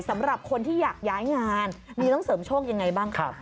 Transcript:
สำหรับคนที่อยากย้ายงานมีต้องเสริมโชคยังไงบ้างคะ